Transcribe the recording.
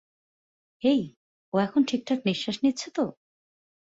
হেই, ও এখনো ঠিকঠাক নিশ্বাস নিচ্ছে তো?